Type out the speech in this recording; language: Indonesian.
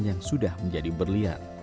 yang sudah menjadi berliat